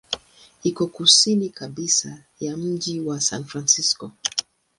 Iko kusini kabisa ya mji wa San Francisco.